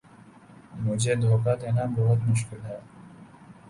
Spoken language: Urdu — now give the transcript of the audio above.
مجھے دھوکا دینا بہت مشکل ہے